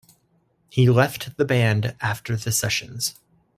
He left the band after the sessions.